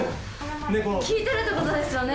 効いてるってことですよね？